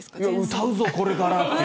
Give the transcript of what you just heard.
歌うぞ、これから。